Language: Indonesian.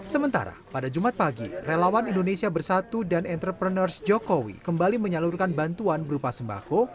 sementara pada jumat pagi relawan indonesia bersatu dan entrepreneurs jokowi kembali menyalurkan bantuan berupa sembako